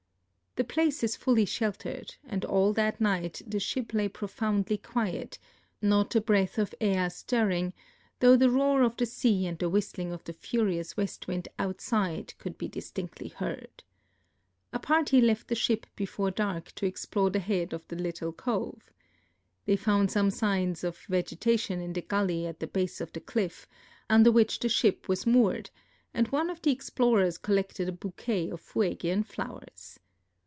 The place is fully sheltered, and all that night the ship lay profoundly quiet, not a breath of air stirring, though the roar of the sea and the whistling of the furious west wind outside could be distinctly heard. A party left the ship before dark to explore the head of the little cove. They found some signs of vegetation in the gully at the base of the cliff, under which the ship, was moored, and one pf the explorers collected a bouquet of Fuegian flowers.